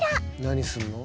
何するの？